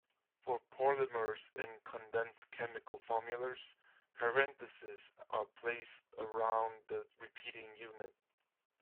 For polymers in condensed chemical formulas, parentheses are placed around the repeating unit.